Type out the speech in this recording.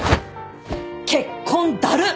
結婚だるっ！